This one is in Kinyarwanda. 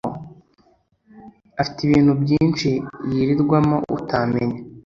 afite ibintu byishi yirirwamo utamenya